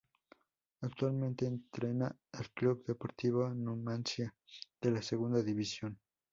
Actualmente entrena al Club Deportivo Numancia de la Segunda División.